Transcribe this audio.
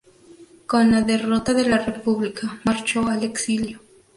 Con la derrota de la República marchó al exilio.